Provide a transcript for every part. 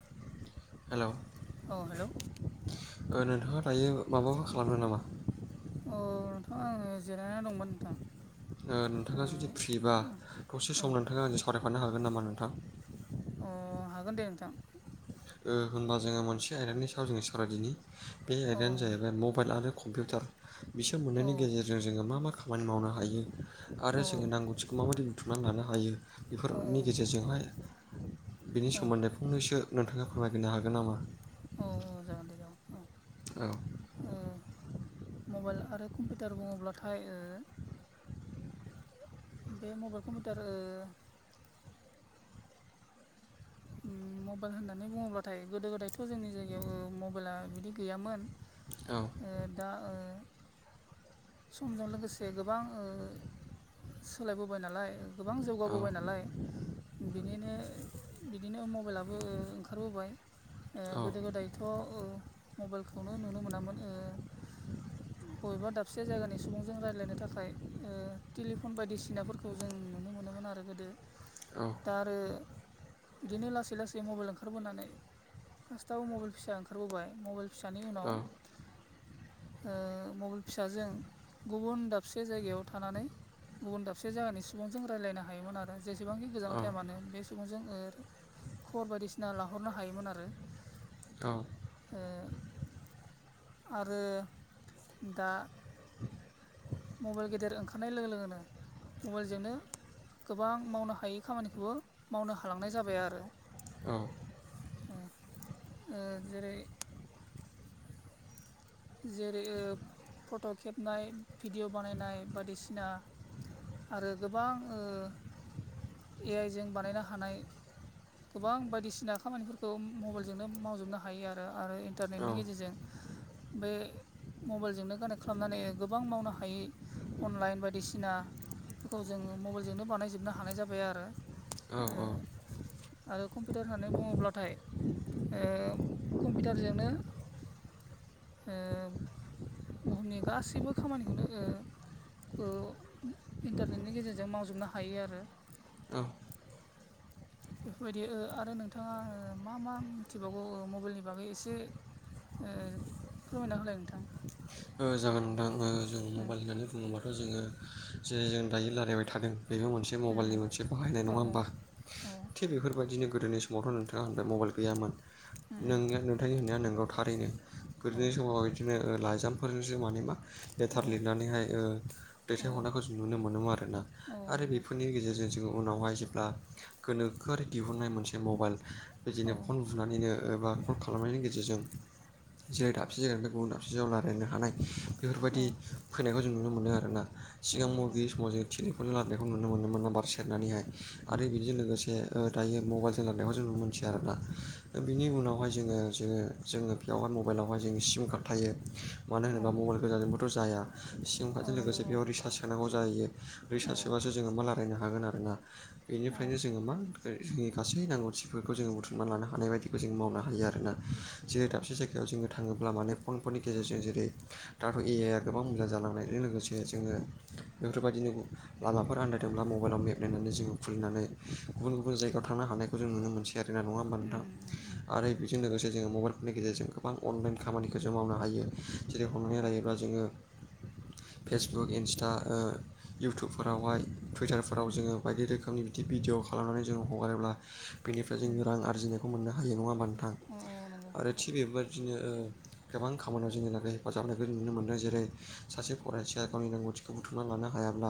[inaudible] Hello औ hello ओ नोंथाङा दायो माबाफोर खालामदों नामा औ नोंथां आङो जिरायना दंमोन नोंथां ओ नोंथाङा जुदि फ्रिबा दसे ओ सम नोंथाङा आंजों सावरायफानो हागोन नामा नोंथां अ हागोन दे नोंथां ओ होनबा जोङो मोनसे आयदानि सायाव जोङो सावरायदिनि बे औ आयदायानो दे जाहैबाय मबाइल आरो कम्पिउटार बिसोर औ मोननैनि गेजेरजों जोङो मा खामानि मावनो हायो आरो औ जोङो नांगौथिखौ माबायदि बुथुम नानै लानो हायो बेफोरनि औ गेजेरजोंहाय बेनि औ सोमोन्दैफंनैसो नोंथाङा फोरमायग्रोनो हागोन नामा औ औ जागोन दे जागोन औ औ ओ मबाइल आरो कम्पिउटार बुङोब्लाथाय ओ बे मबाइल कम्पिउटार ओ उम मबाइल होननानै बुङोब्लाथाय गोदो गोदायथ' जोंनि जायगायाव मबाइला बिदि गैयामोन औ ओ दा ओ समजों लोगोसे गोबां ओ सोलायबोबाय नालाय गोबां औ जौगाबोबाय नालाय बिदिनो बिदिनो मबाइलाबो ओंखारबोबाय ओ औ गोदो गोदाय थ' ओ मबाइलखौनो नुनो मोनामोन ओ बबेबा दा से जायगानि सुबुंजों रायलायनो थाखाय ओ टेलिफन बायदिसिनाफोरखौ जों नुनो मोनोमोन आरो गोदो औ दा आरो बिदिनो लासै लासै मबाइल ओंखारबोनानै फार्स्टाव मबाइल फिसा ओंखारबोबाय मबेल फिसानि उनाव औ ओ मबेल फिसाजों गुबुन दाबसे जायगायाव थानानै गुबुन दाबसे जायगानि सुबुंजों रायलायनो हायोमोन आरो जेसेबांखि औ गोजानाव थाया मानो बे सुबुं जों ओ खबर बायदिसिना लाहरनो हायोमोन आरो औ ओ आरो दा मबाइल गेदेर ओंखारनाय लोगो लोगोनो मबाइलजोंनो गोबां मावनो हायै खामानिखौबो मावनो हालांनाय जाबाय आरो औ ओं ओ जेरै जेरै ओ फट' खेबनाय भिडिअ' बानायनाय बायदिसिना आरो गोबां ओ ए आइ जों बानायनो हानाय गोबां बायदिसिना खामानिफोरखौ मबेलजोंनो मावजोबनो हायो आरो आरो इन्टारनेटनि गेजेरजों बे मबाइलजोंनो खानेक्ट खालामनानै गोबां मावनो हायै अनलाइन बायदिसिना खौ जोंङो मबेलजोंनो बानायजोबनो हानाय जाबाय आरो औ ओ औ आरो कम्पिटार होननानै बुङोब्लाथाय ओ कम्पिटारजोंनो ओ बुहुमनि गासैबो खामानिखौनो ओ ओ इन्टारनेटनि गेजेरजों मावजोबनो हायो आरो औ बेफोर बायदि ओ आरो नोंथाङा ओ मा मा मिथिबावगौ ओ मबाइलनि बागै एसे ओ फोरमायना होलाय नोंथां। औ जागोन नोंथां ओ जों मबाइल होननानै बुङोब्लाथ' जोङो जेरै जों दायो रायलायबाय थादों बेबो मोनसे मबाइलनि मोनसे बाहायनाय औ नङा होमबा! थिग बेफोरबायदिनो गोदोनि समावथ' नोंथाङा होनबाय मबाइल गैयामोन। नोंनि नोथांनि होननाया नोंगौ थारैनो औ गोदोनि समाव इदि दिनो लाइजामफोरनिजों माने मा औ लेथार लिरनानैहाय ओ दैथायहरनायखौ जों नुनो मोनोमोन आरोना औ आरो बेफोरनि गेजेरजों जोङो उनावहाय जे बा गोनोखोआरि दिहुननाय मोनसे मबाइल बिदिनो फन बुनानै नो एबा कल खालामनायनि गेजेरजों जेरै दाबसे जायगानिफ्राय गुबुन दाबसे जायगायाव ला रायलायनो हानाय औ बेफोरबायदि फैनायखौ जों नुनो मोनो आरोना औ सिगां मबाइल नंगौ गैयै समाव जे टेलिफनजों रालानायखौ नुनो मोनोमोन नाम्बार सेरनानैहाय आरो बिदिजों लोगोसे ओ दायो मबाइलजों रालायनायखौ जों नुनो मो मिथियो आरोना बिनि उनावहाय जोङो जोङो जोङो बेयावहाय मबाइलावहाय जोङो सिम कार्ड थायो मानो औ होनोबा मबाइल गोजाजोंबोथ' जाया सिम औ नंगौ औ कार्डजों नंगौ लोगोसे बेयाव रिसार्स सोनांगौ जायो औ रिसार्स सोबा सो जोंङो मा रालायनो हागोन आरोना बेनिफ्रायनो जोंङो मा जोंनि गासै नांगौथिफोरखौ जोंङो बुथुम मान लानो हानाय बायदिखौ जों मावनो हायो आरोना जेरै दाबसे जायगायाव जोङो थाङोब्ला माने फनफोरनि गेजेरजों जेरै दाथ' ए आइ आ गोबां मोजां जालांनायजों लोगोसे जोङो बेफोरबादिनो लामाफोर आनदायदोंब्ला मबाइलाव मेब नायनानै जोङो खुलिनानै गुबुन गुबुन जायगायाव थांनो हानायखौ जों नुनो मोनसै रोंआ होनना नङा होमबा नोंथां आरो बेजों लोगोसे जोङो मबाइलफोरनि गेजेरजों गोबां अनलाइन खामानिखो जों मावनो हायो जेरै हमनानै औ लायोब्ला जोङो फेसबुक इन्सटा ओ इउटुबफोरावहाय टुइटारफोराव जोङो बायदि रोखोमनि बिदि भिडिअ खालामनानै जोङो हगारोब्ला बेनिफ्राय औ जोङो रां आरजिनायखौ मोननो हायो नङा होमबा नोंथां। औ औ नंगौ आरो थि बेफोरबादिनो ओ गोबां खामानियाव जोंनि थाखाय हेफाजाब होननायखौ जों नुनो मोनदों जेरै सासे फरायसाया गावनि रोंगौथिखौ बुथुमना लानो हायाब्ला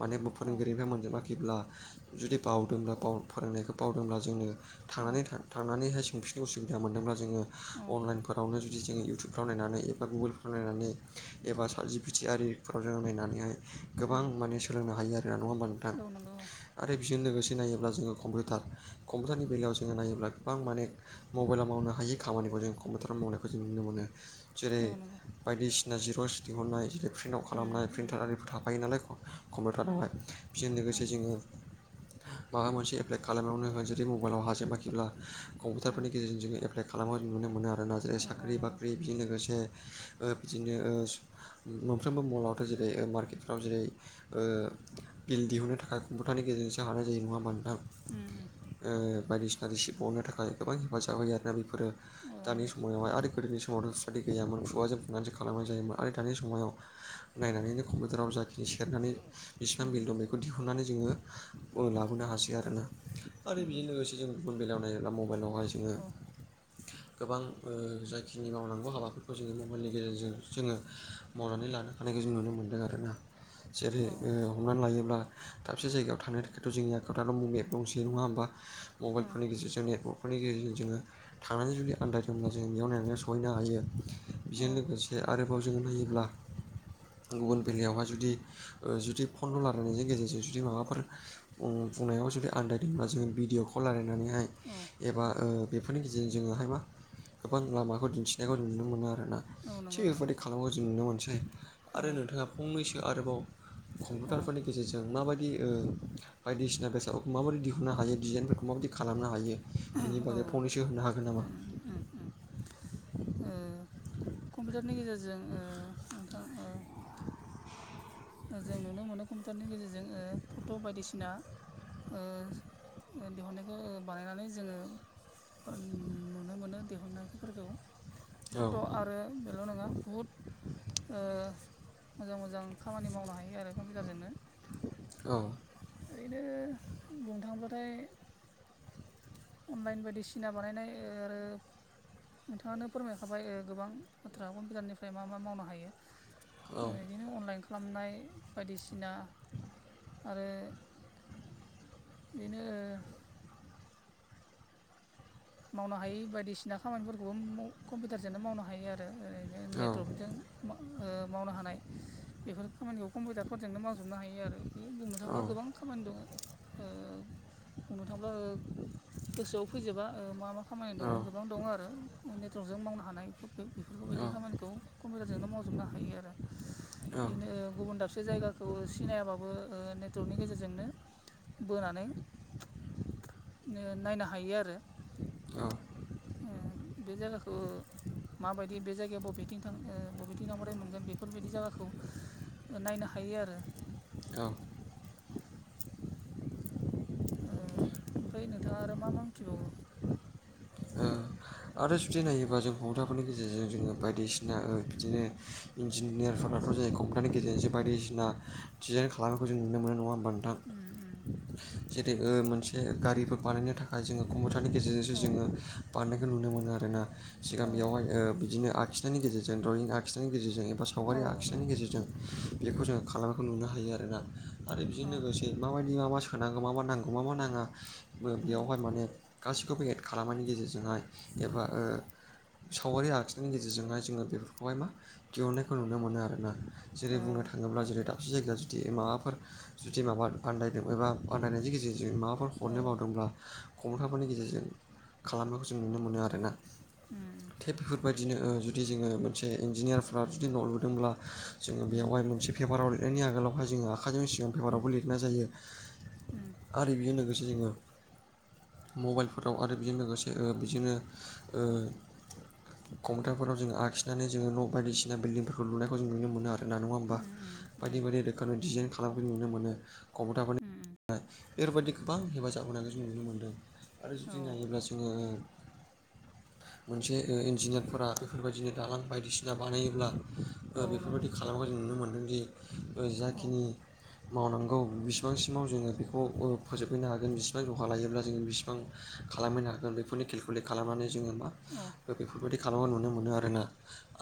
माने औ फोरोंगिरिफ मोनजोबाखैब्ला जुदि बावदोंब्ला बाव फोरोंनायखौ बावदोंब्ला जोंनो। थां औ थ थांनानैहाय सोंफिननो उसुबिदा मोनदोंब्ला जोङो औ अनलाइनफोरावनो जुदि जोङो इउटुब फोराव नायनानै एबा गुगोलफ्राव नायनानै एबा साबजबिथि आरारिफ्राव जों नायनानैहाय गोबां उम माने सोलोंनो हायो आरोोना नङा होमबा नोंथां। औ नंगौ आरो बेजों लोगोसे नायोब्ला जोङो कम्पिउटार कम्पिउटारनि बेलायाव जोङो नायोब्ला गोबां माने मबाइलाव मावनो हायि खामानिखौ जों कम्पिउटाराव मावनायखौ जों नुनो मोनो जेरै औ नंगौ बायदिसिना जिर'स दिहुननाय जेरै प्रिन्ट आवट उम खालामनाय उम प्रिन्टार आर थाफायो नालाय उम कम्पिउटारावहाय बेजों लोगोसे जोङो माबा मोनसे एप्लाइ खालामनायावनो हो जुदि मबाइलाव हाजेाखैब्ला उम कम्पिउटारफोरनि गेजेरजों ए एप्लाइ खालामो जों नुनो मोनो आरो नााय उम औ औ साख्रि नंगौ बाख्रि बिजों लोगोसे बिदिनो। मोनफ्रोमबो मलावथ' जेरै मार्केटफ्राव जेरै बिल दिहुनो थाखाय कम्पिउटारनि गेजेरजोंसो हानाय जायो नङा होनबा नोंथां। उ उ बायदिसिना रिसिप्ट बनो थाखाय गोबां हेफाजाब होयो आरोना बेफोरो औ नंगौ दानि समावहाय आरो गोदोनि समावथ' खुफादि गैयामोन खुवाजों खुनानैसो खालामनाय जायोमोन आरो दानि समाव नायनानैनो कम्पिउटाराव जाखिनि सेरनानै बिसिबां उम बिल दं बेखौ दिहुननानै जोङो। लाबोनो हासै आरोना आरो उम बेजों लोगोसे जों गुबुन बेलायाव नायोब्ला मबाइलावहाय जोङो। औ गोबां जायो। जखिनि मावनांगौ हाबाफोरखौ जोङो मबाइलनि गेजेरजों जोङो मावनानै लानो हानायखौ जों नुनो मोनदों आरोना। जेरै ओ औ हमनानै लायोब्ला दाबसे जायगायाव थांनो थाखायथ' जोंनि आखायाव दाथ' मबेब दंसै नङा होमबा मबाइलफोरनि गेजेरजों नेटवर्कफोरनि गेजेरजों जोङो थांनानै जुदि आलाद ज आला जों बेयावनायनानै स सहैनो हायो औ नंगौ औ उम बेजों लोगोसे आरोबाव जों नायोब्ला गुबुन बेलायावहाय जुदि जुदि फन रायलायनायनि गेजेरजों जुदि माबाफोर बुंनायाव जुदि आनन्दायदोंबा जों भिडिअ खौ खौ रायलायनानैहाय ओ एबा बेफोरनि गेजेरजों जोङोहाय मा गोबां लामा बेखौ दिन्थिनायखौ जों नुनो मोनो आरोना थिग बेफोरबायाददि खालामनायखौ जों नुनो मोनसै आरो नोंथाङा। फंनैसो आरोबाव कम्पिउटारफोरनि गेजेरजों माबायदि बायदिसिना बेसादफोरखौ माबाददि दिहुननो हायो डिजाइनफोरखौ माबायदि खालामनो हायो बिनि बागै फंनैसो होनो हागोन नामा। ओम ओ उ कम्पिउटारनि गेजेरजों नोंथां ओ जों नुनो मोनो कम्पिउटारनि गेजेरजों फट' बायदिसिना दिहुननायखौ बानायनानै जोङो नुनो मोनो दिहुननायफोरखौ औ फट' आरो बेल' नङा बुहुद ओ मोजां मोजां खामानि मावनो हायो आरो कम्पिउटारजोंनो। औ ओरैनो बुंनो थाङोब्लाथाय अनलाइन बायदि सिना बानायनाय आरो नोंथाङानो फोरमायखाबाय गोबां बाथ्रा कम्पिउटारनिफ्राय मा मा मावनो हायो। औ बिदिनो अनलाइन खालामनाय बायदिसिना आरो बिदिनो ओ मावनो हायै बायदिसिना खामानिफोरखौबो कम्पिउटारजोंनो मावनो हायो आरो ओरैनो नेटवर्कजों ओ मावनो हानाय बेफोर खामानिखौ कम्पिउटारफोरजोंनो मावजोबनो हायो आरो। बे बुंनो थांब्ला गोबां खामानि दङ ओ बुंनो थांब्ला गोसोआव फैजोबा मा मा खामानि दङ औ गोबां दङ आरो नेटवर्कजों मावनो हानाय बेफोरखौबायदि खामानिखौ कम्पिउटारजोंनो मावजोबनो हायो आरो औ बिदिनो गुबुन दाबसे जायगा खौ सिनायाबाबो नेटवर्कनि गेजेरजोंनो बोनानै नो नायनो हायो आरो। औ [unintelligible] ओ बे जायगाखौ माबायदि बे जायगायाव बबेथिं थां बबेथिं थांबाथाय मोनगोन बेफोरबायदि जायगाखौ नायनो हायो आरो। औ [inaudible] ओमफ्राय‌ नोंथाङा आरो मा मा मिथिबावगो ओ आरो जुदि नायोबा जों कम्फिउतारफोरनि गेजेरजों जोङो बायदिसिना ओ बिदिनो इन्जिनियारफोराथ' जों कम्पिउटारनि गेजेरजोंसो बायदिसिना डिजाइन खालामनायखौ जों नुनो मोनो नङा होमबा नोंथां। ओ ओ जेरै मोनसे गारिफोर बानायनो थाखाय जोङो कम्पिउटारनि गेजेरजोंसो उम औ जोङो बारनायखौ नुनो मोनो आरो ना। सिगां औ बेयावहाय बिदिनो आखिनायनि गेजेरजों द्रयिं आखिनायनि गेजेरजों एबा औ सावगारि नंगौ आखिनायनि गेजेरजों बेखौ जोङो खालामनायखौ नुनो हायो आरो ना। आरो बेजों औ लोगोसे मा बायदि सोनांगौ मा मा नांगौ मा मा नाङा उम बेयावहाय माने गासिखौबो एड खालामनायनि गेजेरजोंहाय एबा ओ सावगारि आखिनायनि गेजेरजों हाय बेफोरखौहाय मा दिहुननायखौ नुनो मोनो आरो ना जेरै बुंनो थाङोब्ला जेरै दाबसे जायगाया जुदि माबाफोर जुदि माबा आदायदों एबा आन्दायनायनि गेजेरजों माबाफोर औ हरनो औ मावदोंब्ला कम्फिउटारफोरनि गेजेरजों खालामनायखौ जों नुनो मोनो आरो ना औ थिग बेफोर बेबायदिनो जुदि जोङो मोनसे इन्जिनियारफ्रा जुदि न' लुदोंब्ला जोङो बेयावहाय मोनसे पेपाराव लिरनायनि आगोलावहाय जोङो आखाइजों सिगां पेपाराव बो लिरनाय जायो। आरो बेजों लोगोसे जोङो मबाइलफोर आरो बेजों लोगोसे ओ‌ बेजोंनो कम्पिउटारफोराव जोङो आखिनानै जोङो न' बायदिसिना बिल्दिंफोरखौ लुनायखौ जों नुनो मोनो नङा होमबा। बायदि बायदि रोखोमनि डिजाइन खालामखौ नुनो मोनो कम्पिउटारफोरनि बेफोरबायदि गोबां हेफाजाब होनाय जों नुनो मोनदों। आरो जुदि नायोब्ला जोङो मोनसे ओ इन्जिनियारफोरा बेफोरबायदिनो दालां बायदिसिना बानायोब्ला ओ नंगौ बेफोरबायदि खालामाखै जों नुनो मोनदों दि ओ औ जाखिनि मावनांगौ बिसिबां सिमाव जोङो बेखौ ओ फोजोबहैनो हागोन बिसिबां ज'खा लायोब्ला बिस बां खालामहैनो हागोन बेफोरनि केलकुलेट खालामनानै जोङो मा औ ओ बेफोरबायदि खालामा नुनो मोनो आरोना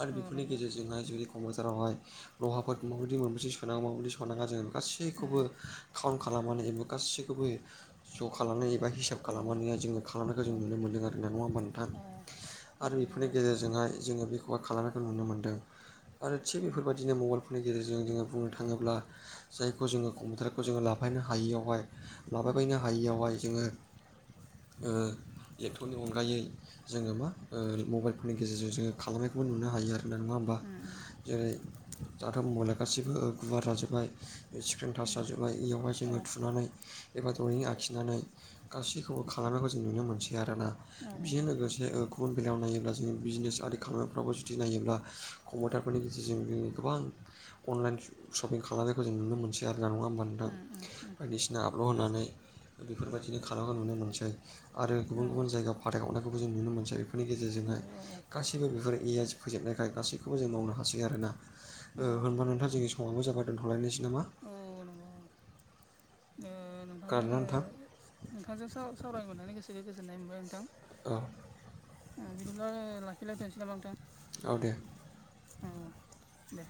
आरो औ बेफोरनि नंगौ गेजेरजोंहाय जुरै [unintelligible] जारावहाय लहाफोरखौ माबायदि माबायदि सोनांगो माबायदि सनाङा जोङो गासैखौबो खाउन्ट खालामनानै एबा गासैखौबो ज' खालामनानै एबा हिसाब [unintelligible] औ खालामनायखौ जों मोनदों आरोना नङा होनबा नोंथां? उम आरो इफोरनि गेजेरजोंहाय जोङो बेखौबा खालामनायखौ नुनो मोनदों। आरो थिग औ बेफोरबायदिनो मबाइलफोरनि गेजेरजों जोङो बुंनो थाङोब्ला जायखौ जोङो कम्पिउटारखौ जोङो लाफायनो हायियावहाय औ लाफाबायनो हायियावहाय जोङो ओ इलेक्ट्रननि अनगायै जोङो मा ओ मबाइलफोरनि गेजेरजों जोङो खालामनायखौबो हायो आरो। होननाय नङा हमबा औ जेरै दाथ' मबाइला गासिबो गुवार जाजोब्बाय। स्क्रिन थास जाजोब्बाय इयावहाय जोङो थुनानै एबा द्रयिं आखिनानै गासैखौबो खालामनायखौ जों नुनो मोनसै आरोना बिजों लोगोसे गुबुन बेलायाव नायोब्ला जों बिजनेस आरि खामानिफ्रावबो जुदि नायोब्ला कम्पटारफोरनि गेजेरजों जों गोबां अनलाइन शपिं खालामनायखौ जों नुनो मोनसै। [unintelligible] नङा होमबा नोंथां बायदिसिना आबल' होनानै बेफोरबायदिनो खालामनाय नुनो मोनसै आरो गुबुन गुबुन जायगायाव फाथायहरनायखौबो जों नुनो मोनसै इफोरनि गेजेरजोंहाय। गासैबो बेफोर ए आइ जों फैजोबनायखाय गासैखौबो जों मावनो हासै आरोना। ओ होनबा नोंथां जोंनि समाबो जाबाय दोनथ'लायनोसै नामा? औ नंगौ ओ नोंथांजों खोनादोंना नोंथां ओ नोंथांजों साव-सावरायनो मोननानै गोसोखो गोजोननाय मोनबाय नोंथां। औ ओ बिदिब्ला लाखिलाय थ'नोसै नामा नोंथां? औ दे। ओ दे